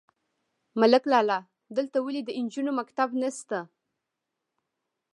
_ملک لالا! دلته ولې د نجونو مکتب نشته؟